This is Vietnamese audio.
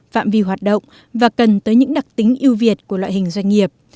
phạm vi hoạt động và cần tới những đặc tính yêu việt của loại hình doanh nghiệp